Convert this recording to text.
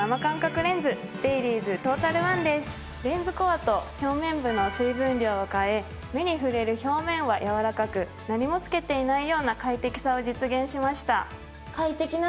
レンズコアと表面部の水分量を変え目に触れる表面はやわらかく何もつけていないような快適さを実現しました。